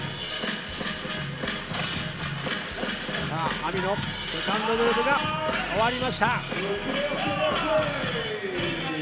ＡＭＩのセカンドムーブが終わりました。